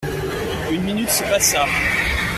Une minute se passa.